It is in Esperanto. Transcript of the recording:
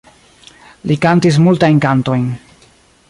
Li kantis multajn kantojn.